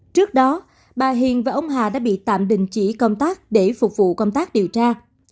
trước đó bà hiền và ông hà đã bị tạm đình chỉ công tác để phục vụ công tác điều tra